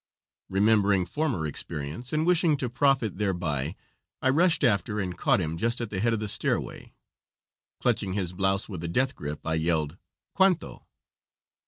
Remembering former experience, and wishing to profit thereby, I rushed after and caught him just at the head of the stairway. Clutching his blouse with a death grip, I yelled, "Cuanto?"